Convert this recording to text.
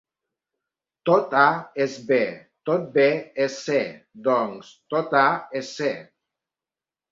Tot A és B; tot B és C; doncs, tot A és C.